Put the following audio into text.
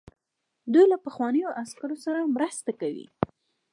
دوی له پخوانیو عسکرو سره مرسته کوي.